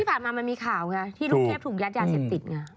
เพราะที่ผ่านมามันมีข่าวค่ะที่ลูกเทพถูกยัดยาเสพติด